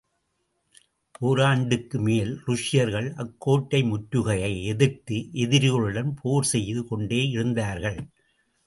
ஓராண்டுக்கு மேல் ருஷ்யர்கள் அக்கோட்டை முற்றுகையை எதிர்த்து எதிரிகளுடன் போர் செய்து கொண்டே இருந்தார்கள்.